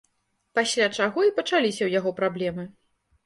Пасля чаго і пачаліся ў яго праблемы.